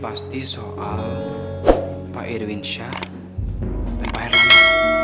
pasti soal pak irwin shah dan pak herlambang